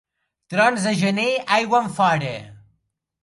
Trons de gener, aigua enfora.